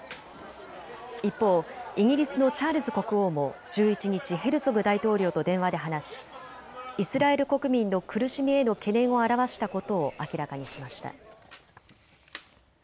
一方、イギリスのチャールズ国王も１１日、ヘルツォグ大統領と電話で話しイスラエル国民の苦しみへの懸念を表したことを明らかにしました。